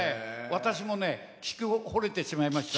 私もね、聴きほれてしまいました。